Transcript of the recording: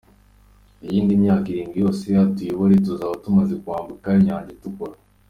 Iyindi myaka irindwi rwose atuyobore tuzaba tumaze kwambuka inyanja itukura.